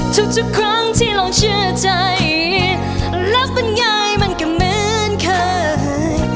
สุดทุกครั้งที่ลองเชื่อใจแล้วเป็นไงมันก็เหมือนเคย